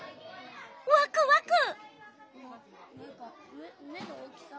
わくわく！